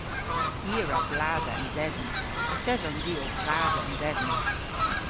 I a wra blasa an desen. Yth esons i ow plasa an desen.